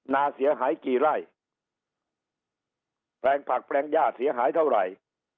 นาเสียหายกี่ไร่แปลงผักแปลงย่าเสียหายเท่าไหร่